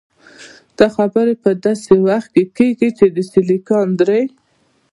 دا خبرې په داسې وخت کې کېږي چې د 'سیليکان درې'.